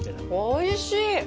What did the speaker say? おいしい！